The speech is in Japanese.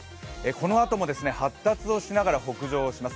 このあとも発達しながら北上します。